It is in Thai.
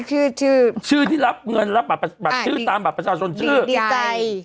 ชื่อชื่อที่รับเงินรับบัตรชื่อตามบัตรประชาชนชื่อดีใจ